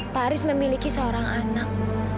pak haris memiliki seorang anak